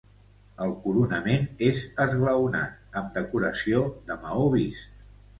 El coronament és esglaonat, amb decoració de maó vist.